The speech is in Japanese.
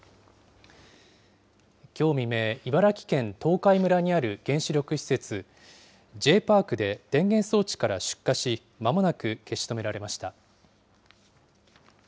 きょう未明、茨城県東海村にある原子力施設、ＪーＰＡＲＣで電源装置から出火し、まもなく消し止められました。